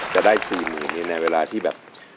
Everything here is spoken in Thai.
จะได้๔มูลนี้ในเวลาที่แบบ